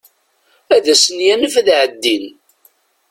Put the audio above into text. Ad asen-yanef ad ɛeddin.